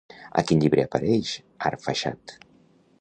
A quin llibre apareix Arfaxad?